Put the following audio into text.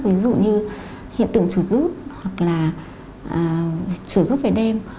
ví dụ như hiện tượng chủ giúp hoặc là chủ giúp về đêm